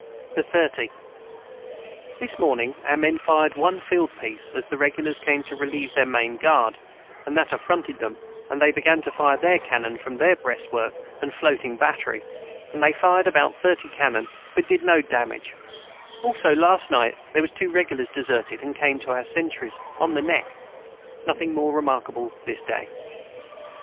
the 30. This morning our men fired one field peice as the regulars came to relieve their main guard and that afronted them and they began to fire their canon from their brest work and floating Batry and they fired about 30 canon but did no damage also last night their was too regulars deserted and came to our centrys on the neck nothing more remarkable this day.